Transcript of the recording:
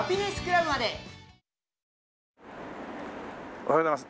おはようございます。